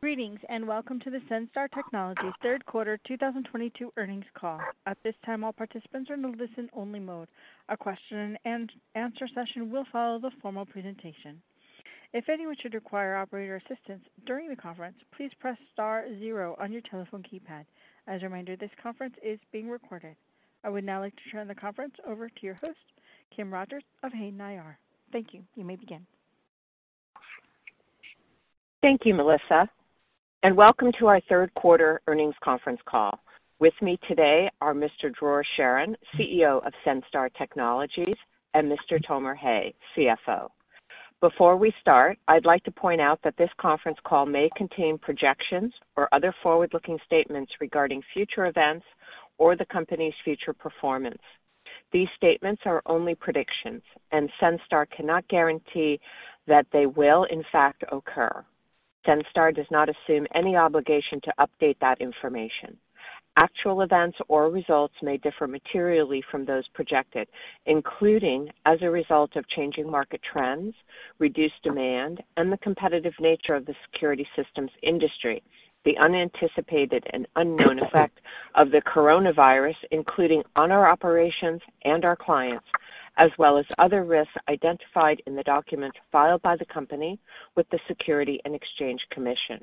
Greetings, and welcome to the Senstar Technologies third quarter 2022 earnings call. At this time, all participants are in listen only mode. A question and answer session will follow the formal presentation. If anyone should require operator assistance during the conference, please press star 0 on your telephone keypad. As a reminder, this conference is being recorded. I would now like to turn the conference over to your host, Kim Rogers of Hayden IR. Thank you. You may begin. Thank you, Melissa, and welcome to our third quarter earnings conference call. With me today are Mr. Dror Sharon, CEO of Senstar Technologies, and Mr. Tomer Hay, CFO. Before we start, I'd like to point out that this conference call may contain projections or other forward-looking statements regarding future events or the company's future performance. These statements are only predictions, and Senstar cannot guarantee that they will in fact occur. Senstar does not assume any obligation to update that information. Actual events or results may differ materially from those projected, including as a result of changing market trends, reduced demand, and the competitive nature of the security systems industry, the unanticipated and unknown effect of the coronavirus, including on our operations and our clients, as well as other risks identified in the documents filed by the company with the Securities and Exchange Commission.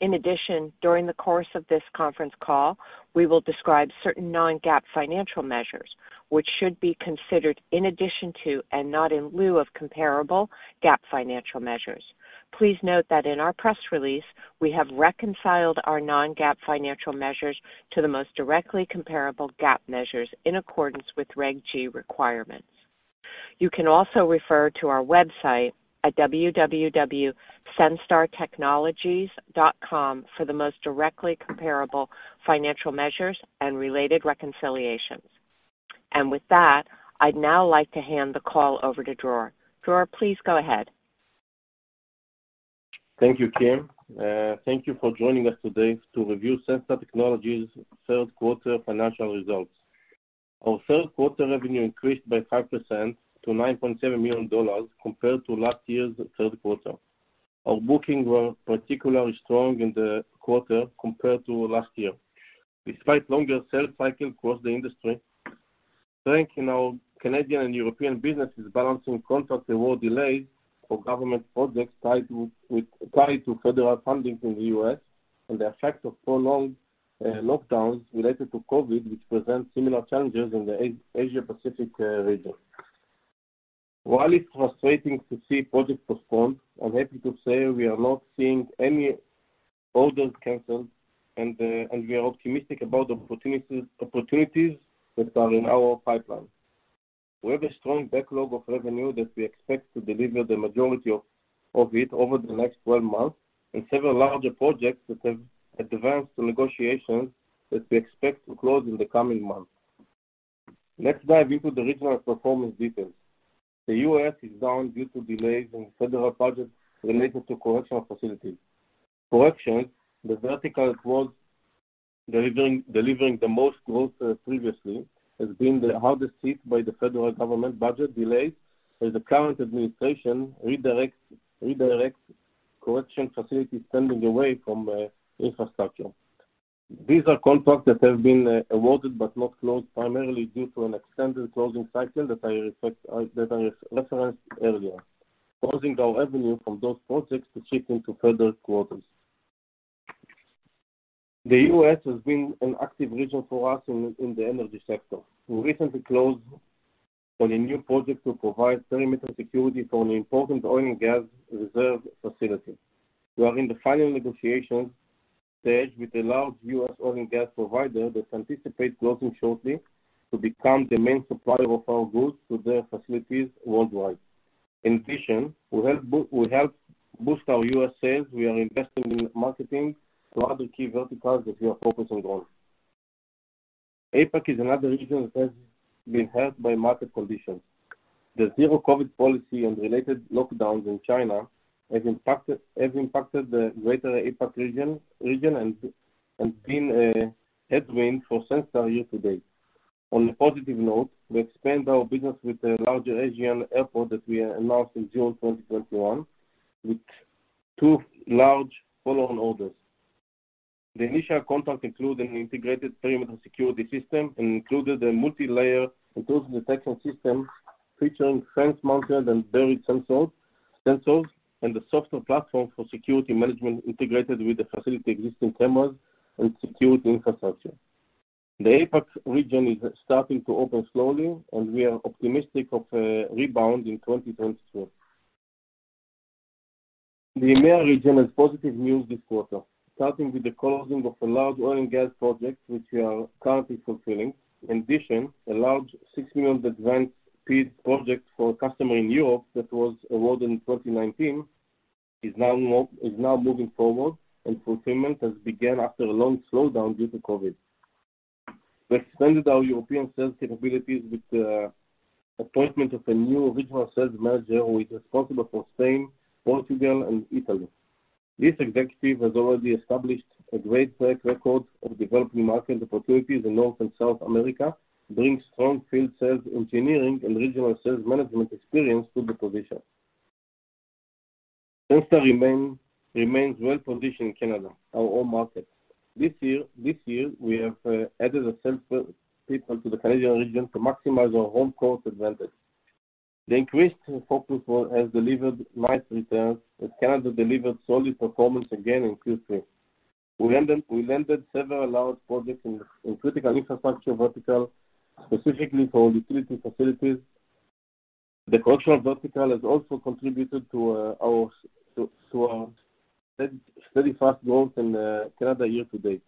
In addition, during the course of this conference call, we will describe certain non-GAAP financial measures, which should be considered in addition to and not in lieu of comparable GAAP financial measures. Please note that in our press release, we have reconciled our non-GAAP financial measures to the most directly comparable GAAP measures in accordance with Regulation G requirements. You can also refer to our website at www.senstartechnologies.com for the most directly comparable financial measures and related reconciliations. With that, I'd now like to hand the call over to Dror. Dror, please go ahead. Thank you, Kim. Thank you for joining us today to review Senstar Technologies' third quarter financial results. Our third quarter revenue increased by 5% to $9.7 million compared to last year's third quarter. Our bookings were particularly strong in the quarter compared to last year. Despite longer sales cycles across the industry, strength in our Canadian and European businesses balancing contract award delays for government projects tied to federal funding from the U.S. and the effect of prolonged lockdowns related to COVID, which present similar challenges in the Asia Pacific region. While it's frustrating to see projects postponed, I'm happy to say we are not seeing any orders canceled and we are optimistic about opportunities that are in our pipeline. We have a strong backlog of revenue that we expect to deliver the majority of it over the next 12 months and several larger projects that have advanced in negotiations that we expect to close in the coming months. Let's dive into the regional performance details. The U.S. is down due to delays in federal projects related to correctional facilities. Corrections, the vertical that was delivering the most growth previously, has been the hardest hit by the federal government budget delays as the current administration redirects correction facilities spending away from infrastructure. These are contracts that have been awarded but not closed, primarily due to an extended closing cycle that I referenced earlier, causing our revenue from those projects to shift into further quarters. The U.S. has been an active region for us in the energy sector. We recently closed on a new project to provide perimeter security for an important oil and gas reserve facility. We are in the final negotiation stage with a large U.S. oil and gas provider that anticipate closing shortly to become the main supplier of our goods to their facilities worldwide. In addition, to help boost our U.S. sales, we are investing in marketing to other key verticals that we are focusing on. APAC is another region that has been hurt by market conditions. The zero-COVID policy and related lockdowns in China has impacted the greater APAC region and been a headwind for Senstar year-to-date. On a positive note, we expanded our business with a larger Asian airport that we announced in June 2021 with two large follow-on orders. The initial contract included an integrated perimeter security system and included a multi-layer intrusion detection system featuring fence mounted and buried sensors and the software platform for security management integrated with the facility's existing cameras and security infrastructure. The APAC region is starting to open slowly, and we are optimistic of a rebound in 2022. The EMEA region has positive news this quarter, starting with the closing of a large oil and gas project, which we are currently fulfilling. In addition, a large $6 million advanced feed project for a customer in Europe that was awarded in 2019 is now moving forward, and fulfillment has begun after a long slowdown due to COVID-19. We expanded our European sales capabilities with the appointment of a new regional sales manager who is responsible for Spain, Portugal, and Italy. This executive has already established a great track record of developing market opportunities in North and South America, bringing strong field sales, engineering, and regional sales management experience to the position. Senstar remains well-positioned in Canada, our home market. This year, we have added sales people to the Canadian region to maximize our home court advantage. The increased focus has delivered nice returns, as Canada delivered solid performance again in Q3. We landed several large projects in critical infrastructure vertical, specifically for utility facilities. The commercial vertical has also contributed to steady, fast growth in Canada year-to-date.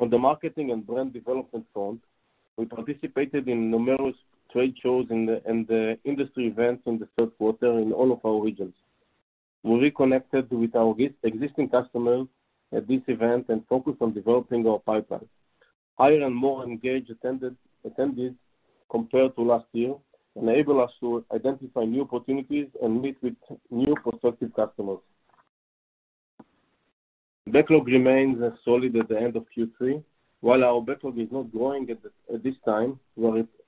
On the marketing and brand development front, we participated in numerous trade shows and the industry events in the third quarter in all of our regions. We reconnected with our existing customers at this event and focused on developing our pipeline. Higher and more engaged attendees compared to last year enabled us to identify new opportunities and meet with new prospective customers. Backlog remains solid at the end of Q3. While our backlog is not growing at this time,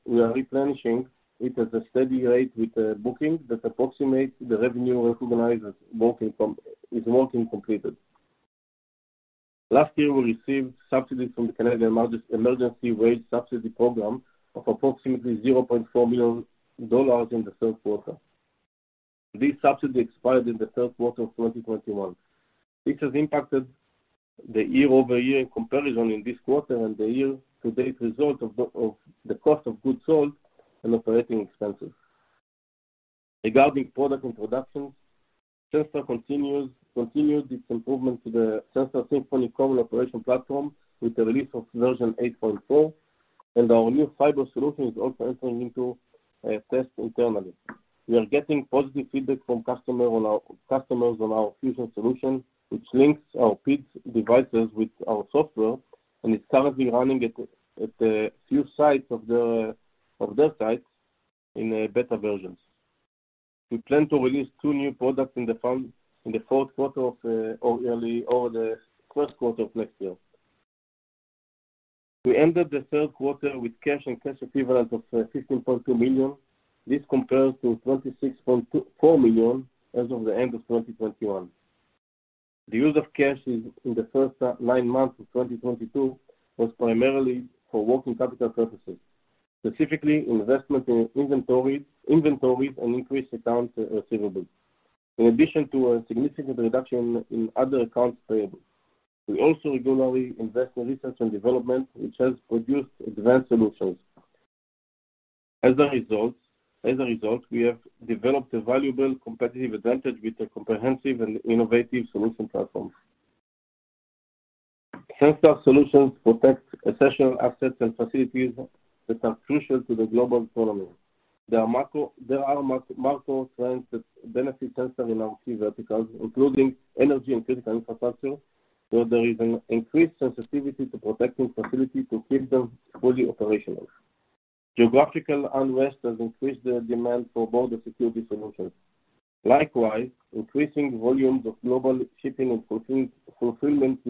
we are replenishing it at a steady rate with bookings that approximate the revenue recognized as working completed. Last year, we received subsidies from the Canadian Emergency Wage Subsidy Program of approximately $0.4 million in the third quarter. This subsidy expired in the third quarter of 2021. This has impacted the year-over-year comparison in this quarter and the year-to-date result of the cost of goods sold and operating expenses. Regarding product introductions, Senstar continued its improvement to the Senstar Symphony common operation platform with the release of version 8.4. Our new fiber solution is also entering into a test internally. We are getting positive feedback from customers on our fusion solution, which links our PIDS devices with our software. It's currently running at a few sites of their sites in beta versions. We plan to release two new products in the fourth quarter or early the first quarter of next year. We ended the third quarter with cash and cash equivalents of $15.2 million. This compares to $26.24 million as of the end of 2021. The use of cash in the first 9 months of 2022 was primarily for working capital purposes, specifically investment in inventories, and increased accounts receivables, in addition to a significant reduction in other accounts payables. We also regularly invest in research and development, which has produced advanced solutions. As a result, we have developed a valuable competitive advantage with a comprehensive and innovative solution platform. Senstar solutions protect essential assets and facilities that are crucial to the global economy. There are macro trends that benefit Senstar in our key verticals, including energy and critical infrastructure, where there is an increased sensitivity to protecting facilities to keep them fully operational. Geographical unrest has increased the demand for border security solutions. Likewise, increasing volumes of global shipping and fulfillment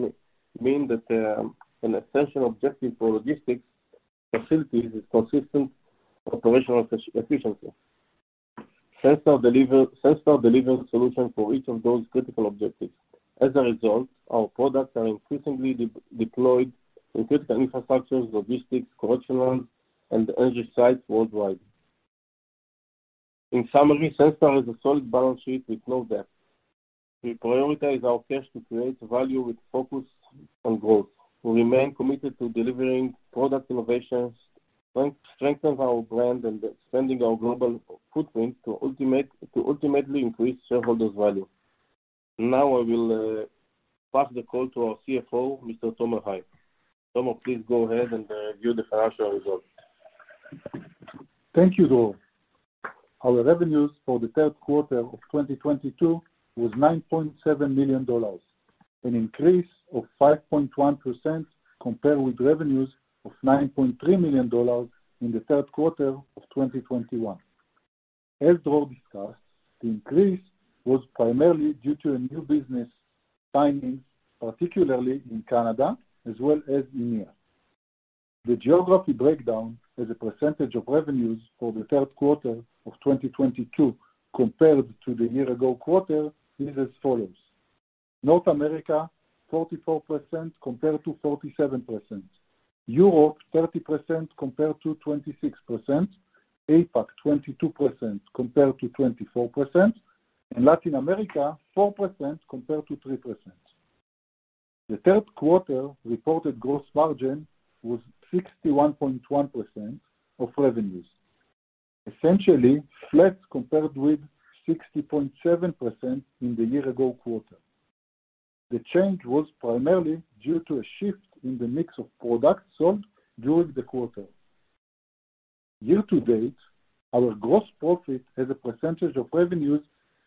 mean that, an essential objective for logistics facilities is consistent operational efficiency. Senstar delivers solutions for each of those critical objectives. As a result, our products are increasingly deployed in critical infrastructures, logistics, commercial, and energy sites worldwide. In summary, Senstar has a solid balance sheet with no debt. We prioritize our cash to create value with focus on growth. We remain committed to delivering product innovations, strengthen our brand, and expanding our global footprint to ultimately increase shareholders' value. I will pass the call to our CFO, Mr. Tomer Hay. Tomer, please go ahead and review the financial results. Thank you, Dror. Our revenues for the third quarter of 2022 was $9.7 million, an increase of 5.1% compared with revenues of $9.3 million in the third quarter of 2021. As Dror discussed, the increase was primarily due to a new business timing, particularly in Canada as well as EMEA. The geography breakdown as a percentage of revenues for the third quarter of 2022 compared to the year ago quarter is as follows: North America, 44% compared to 47%. Europe, 30% compared to 26%. APAC, 22% compared to 24%. Latin America, 4% compared to 3%. The third quarter reported gross margin was 61.1% of revenues, essentially flat compared with 60.7% in the year ago quarter. The change was primarily due to a shift in the mix of products sold during the quarter. Year-to-date, our gross profit as a percentage of revenues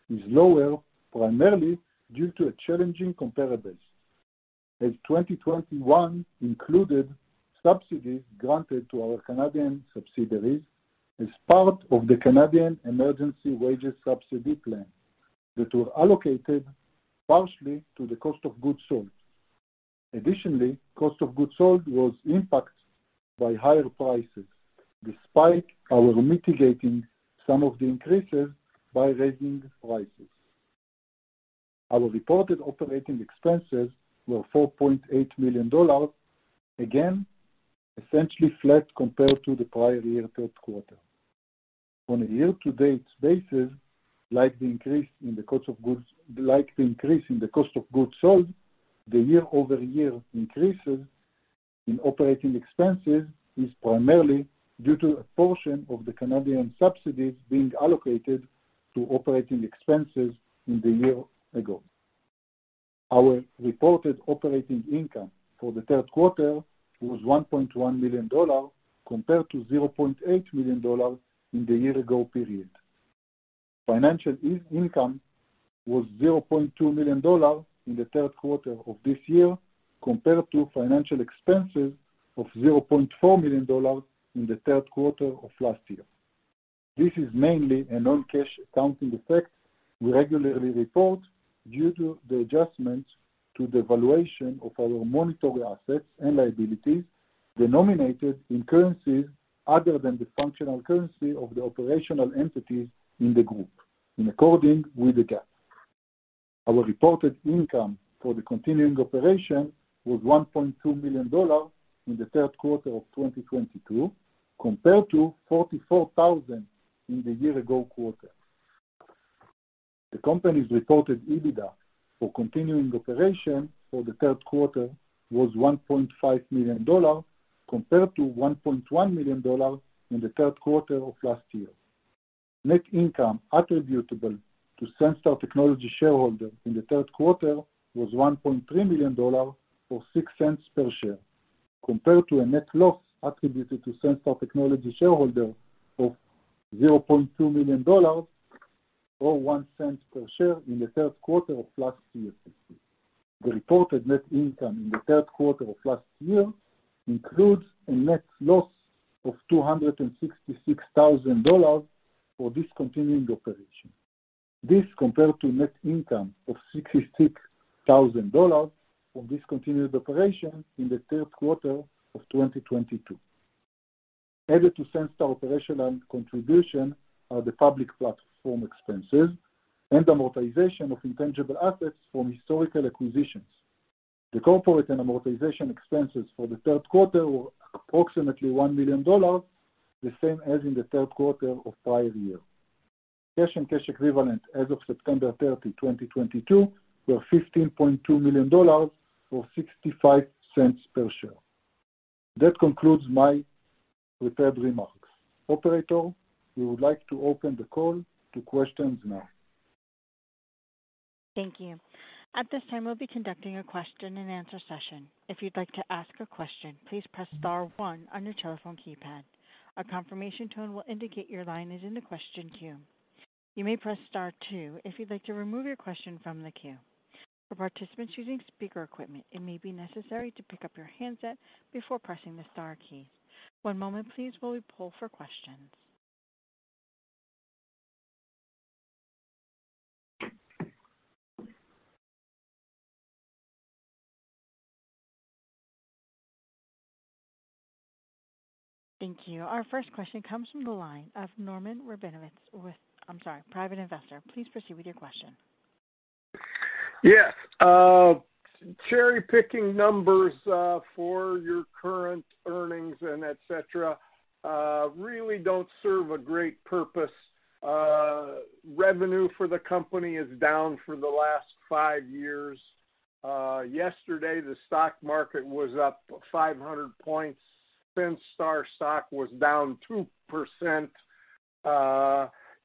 is lower, primarily due to a challenging comparable. As 2021 included subsidies granted to our Canadian subsidiaries as part of the Canadian Emergency Wage Subsidy Plan that were allocated partially to the cost of goods sold. Additionally, cost of goods sold was impacted by higher prices, despite our mitigating some of the increases by raising prices. Our reported operating expenses were $4.8 million, again, essentially flat compared to the prior year third quarter. On a year-to-date basis, like the increase in the cost of goods sold, the year-over-year increases in operating expenses is primarily due to a portion of the Canadian subsidies being allocated to operating expenses in the year ago. Our reported operating income for the third quarter was $1.1 million compared to $0.8 million in the year ago period. Financial e-income was $0.2 million in the third quarter of this year compared to financial expenses of $0.4 million in the third quarter of last year. This is mainly a non-cash accounting effect we regularly report due to the adjustments to the valuation of our monetary assets and liabilities denominated in currencies other than the functional currency of the operational entities in the group, in according with the GAAP. Our reported income for the continuing operation was $1.2 million in the third quarter of 2022 compared to $44,000 in the year ago quarter. The company's reported EBITDA for continuing operation for the third quarter was $1.5 million compared to $1.1 million in the third quarter of last year. Net income attributable to Senstar Technologies shareholder in the third quarter was $1.3 million or $0.06 per share, compared to a net loss attributable to Senstar Technologies shareholder of -$0.2 million or -$0.01 per share in the third quarter of last year. The reported net income in the third quarter of last year includes a net loss of $266,000 for discontinuing the operation. This compared to net income of $66,000 for discontinued operation in the third quarter of 2022. Added to Senstar operational contribution are the public platform expenses and amortization of intangible assets from historical acquisitions. The corporate and amortization expenses for the third quarter were approximately $1 million, the same as in the third quarter of prior year. Cash and cash equivalent as of September 30, 2022, were $15.2 million or $0.65 per share. That concludes my prepared remarks. Operator, we would like to open the call to questions now. Thank you. At this time, we'll be conducting a question and answer session. If you'd like to ask a question, please press star one on your telephone keypad. A confirmation tone will indicate your line is in the question queue. You may press star two if you'd like to remove your question from the queue. For participants using speaker equipment, it may be necessary to pick up your handset before pressing the star key. One moment please while we pull for questions. Thank you. Our first question comes from the line of Norman Rabinowitz with... I'm sorry, private investor. Please proceed with your question. Yeah. Cherry-picking numbers for your current earnings and etc., really don't serve a great purpose. Revenue for the company is down for the last 5 years. Yesterday, the stock market was up 500 points. Senstar stock was down 2%.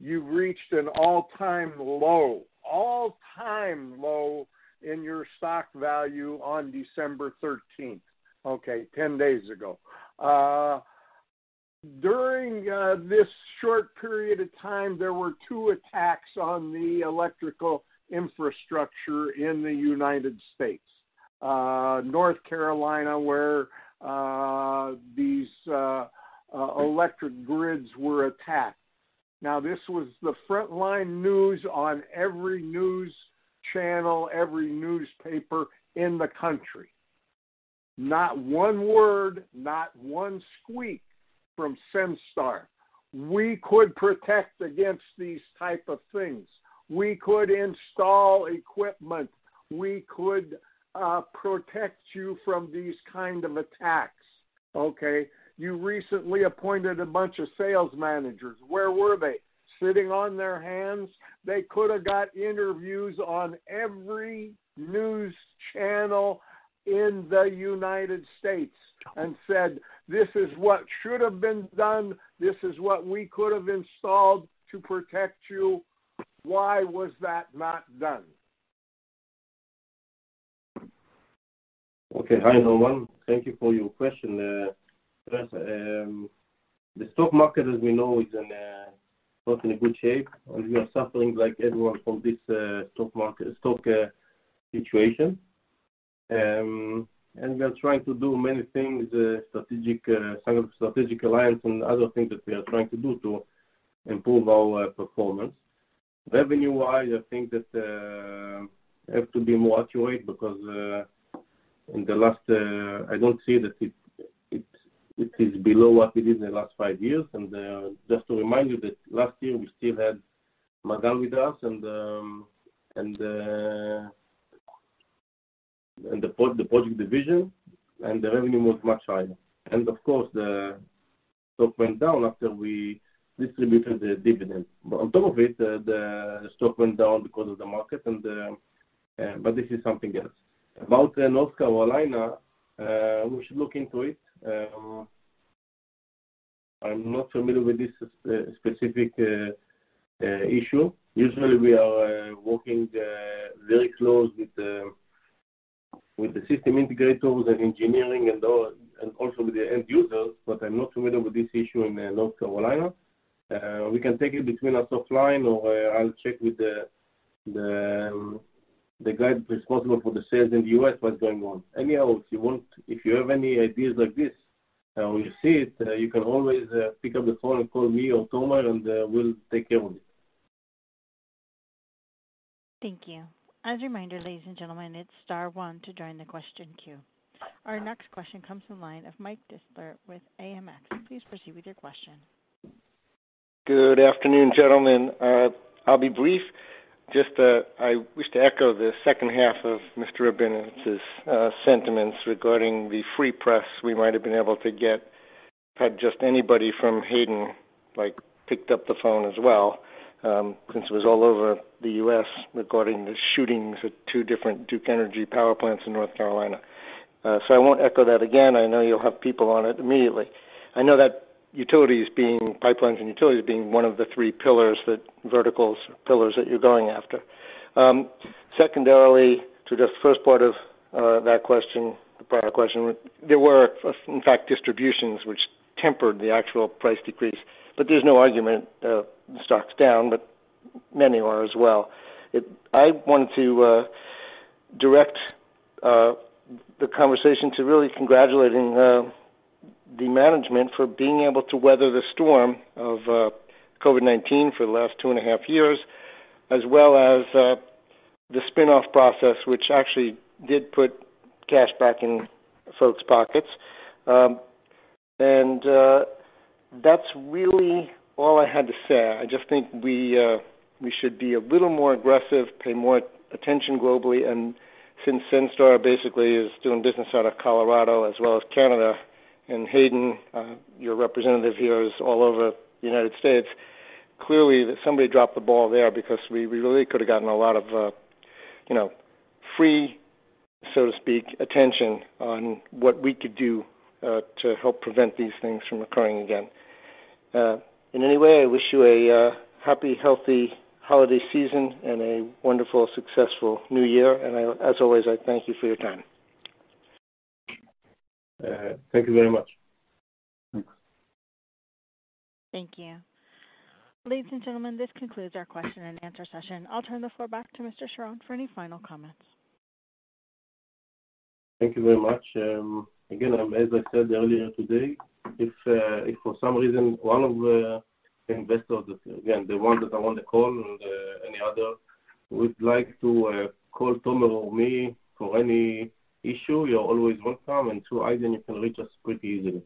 You've reached an all-time low in your stock value on December 13th. Okay, 10 days ago. During this short period of time, there were 2 attacks on the electrical infrastructure in the United States. North Carolina, where these electric grids were attacked. This was the frontline news on every news channel, every newspaper in the country. Not one word, not one squeak from Senstar. We could protect against these type of things. We could install equipment. We could protect you from these kind of attacks, okay? You recently appointed a bunch of sales managers. Where were they? Sitting on their hands? They could have got interviews on every news channel in the United States and said, "This is what should have been done. This is what we could have installed to protect you." Why was that not done? Okay. Hi, Norman. Thank you for your question. first, the stock market, as we know, is an very Not in a good shape. We are suffering like everyone from this stock situation. We are trying to do many things, strategic, sign strategic alliance and other things that we are trying to do to improve our performance. Revenue-wise, I think that I have to be more accurate because in the last, I don't see that it is below what it is in the last five years. Just to remind you that last year we still had Magal Security Systems with us and the project division, and the revenue was much higher. Of course, the stock went down after we distributed the dividend. On top of it, the stock went down because of the market and the. This is something else. About North Carolina, we should look into it. I'm not familiar with this specific issue. Usually, we are working very close with the system integrators and engineering and all, and also with the end users, but I'm not familiar with this issue in North Carolina. We can take it between us offline or I'll check with the guy responsible for the sales in the U.S. what's going on. If you have any ideas like this, or you see it, you can always pick up the phone and call me or Tomer, and we'll take care of it. Thank you. As a reminder, ladies and gentlemen, it's star one to join the question queue. Our next question comes from line of Mike Disler with AMX. Please proceed with your question. Good afternoon, gentlemen. I'll be brief. Just that I wish to echo the second half of Mr. Rabinowitz's sentiments regarding the free press we might have been able to get had just anybody from Hayden, like, picked up the phone as well, since it was all over the U.S. regarding the shootings at 2 different Duke Energy power plants in North Carolina. I won't echo that again. I know you'll have people on it immediately. I know that Pipelines and utilities being one of the 3 pillars that, verticals pillars that you're going after. Secondarily, to the first part of that question, the prior question, there were in fact distributions which tempered the actual price decrease. There's no argument, the stock's down, but many are as well. I want to direct the conversation to really congratulating the management for being able to weather the storm of COVID-19 for the last two and a half years, as well as the spin-off process, which actually did put cash back in folks' pockets. That's really all I had to say. I just think we should be a little more aggressive, pay more attention globally. Since Senstar basically is doing business out of Colorado as well as Canada, and Hayden, your representative here is all over the United States, clearly somebody dropped the ball there because we really could have gotten a lot of, you know, free, so to speak, attention on what we could do to help prevent these things from occurring again. In any way, I wish you a happy, healthy holiday season and a wonderful, successful New Year. As always, I thank you for your time. Thank you very much. Thank you. Ladies and gentlemen, this concludes our question and answer session. I'll turn the floor back to Mr. Sharon for any final comments. Thank you very much. Again, as I said earlier today, if for some reason one of the investors, again, the one that are on the call and any other would like to call Tomer or me for any issue, you're always welcome. Through Hayden, you can reach us pretty easily.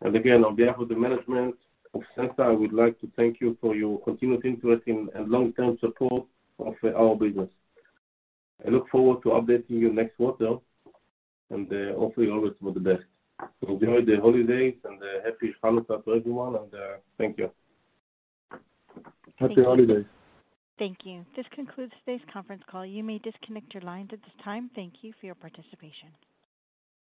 Again, on behalf of the management of Senstar, I would like to thank you for your continued interest and long-term support of our business. I look forward to updating you next quarter, hopefully always for the best. Enjoy the holidays and a happy Hanukkah to everyone, thank you. Happy holidays. Thank you. This concludes today's conference call. You may disconnect your lines at this time. Thank you for your participation.